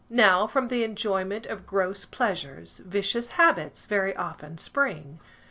Now, from the enjoyment of gross pleasures, vicious habits very often spring.